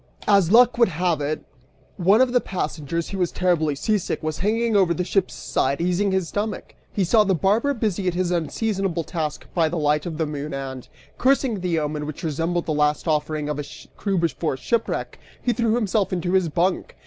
As luck would have it, one of the passengers, who was terribly seasick, was hanging over the ship's side easing his stomach. He saw the barber busy at his unseasonable task by the light of the moon and, cursing the omen which resembled the last offering of a crew before shipwreck, he threw himself into his bunk.